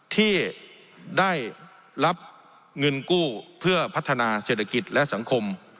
ที่ได้รับเงินกู้เพื่อพัฒนาเศรษฐกิจและสังคม